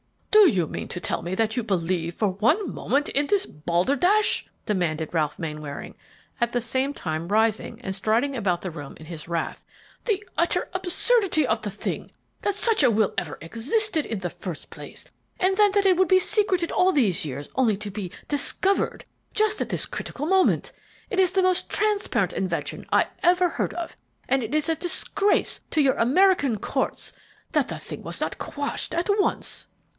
"Do you mean to tell me that you believe, for one moment, in this balderdash?" demanded Ralph Mainwaring, at the same time rising and striding about the room in his wrath. "The utter absurdity of the thing, that such a will ever existed, in the first place, and then that it would be secreted all these years only to be 'discovered' just at this critical moment! It is the most transparent invention I ever heard of, and it is a disgrace to your American courts that the thing was not quashed at once!"